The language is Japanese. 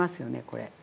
これ。